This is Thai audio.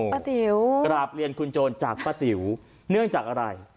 ติ๋วกราบเรียนคุณโจรจากป้าติ๋วเนื่องจากอะไร